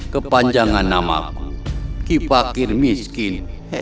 kepanjangan namaku kipakir miskin